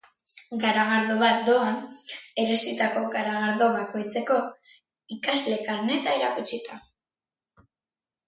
Garagardo bat doan, erositako garagardo bakoitzeko, ikasle karneta erakutsita.